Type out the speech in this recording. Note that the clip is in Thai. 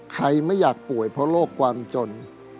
ไม่อยากป่วยเพราะโรคความจน